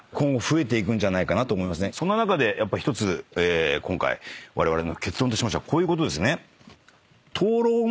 そんな中でやっぱ１つ今回われわれの結論としましてはこういうことですね。